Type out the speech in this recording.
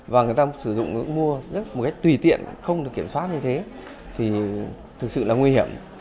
và người ta sử dụng mua một cách tùy tiện không được kiểm soát như thế thì thực sự là nguy hiểm